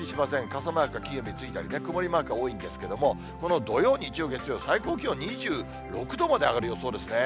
傘マーク、金曜日ついたりね、曇りマークが多いんですけど、この土曜、日曜、月曜、最高気温２６度まで上がる予想ですね。